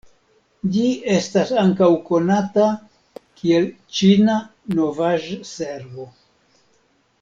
Ĝi estas ankaŭ konata kiel Ĉina Novaĵ-Servo.